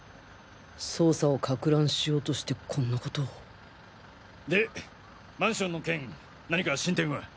捜査をかく乱しようとしてこんなことをでマンションの件何か進展は？